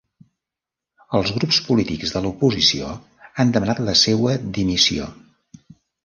Els grups polítics de l'oposició han demanat la seua dimissió.